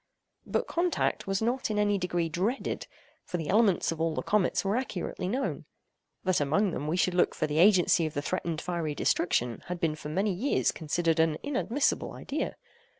But contact was not in any degree dreaded; for the elements of all the comets were accurately known. That among them we should look for the agency of the threatened fiery destruction had been for many years considered an inadmissible idea.